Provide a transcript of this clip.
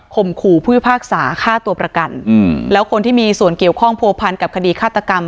ขู่ผู้พิพากษาฆ่าตัวประกันอืมแล้วคนที่มีส่วนเกี่ยวข้องผัวพันกับคดีฆาตกรรม